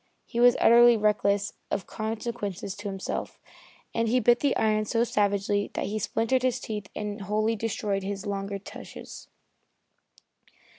He was utterly reckless of consequences to himself, and he bit the iron so savagely that he splintered his teeth and wholly destroyed his longer tushes.